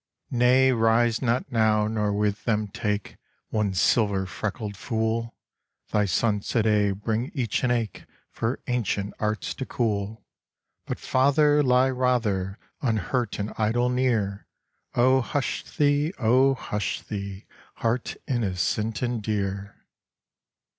Nay, rise not now, nor with them take One silver freckled fool! Thy sons to day bring each an ache For ancient arts to cool. But, father, lie rather Unhurt and idle near; O hush thee, O hush thee! heart innocent and dear.